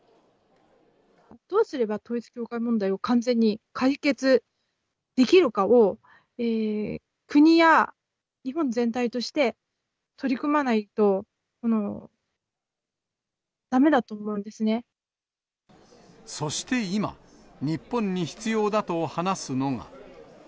どうすれば統一教会問題を完全に解決できるかを国や日本全体として取り組まないとだめだと思そして今、日本に必要だと話すのが。